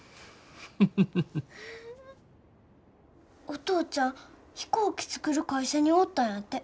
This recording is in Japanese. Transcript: お父ちゃん飛行機作る会社におったんやて。